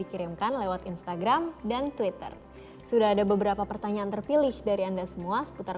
pertanyaan pertama datang video dari jasmine pl